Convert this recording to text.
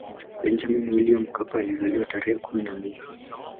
benjamini william mkapa alizaliwa tarehe kumi na mbili